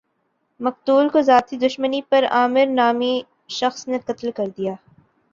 مقتول کو ذاتی دشمنی پر عامر نامی شخص نے قتل کردیا